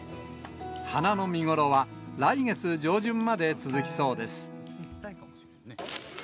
花の見頃は来月上旬まで続きそうです。